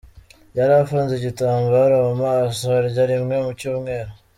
Yari afunze igitambaro mu maso arya rimwe mu cyumweru.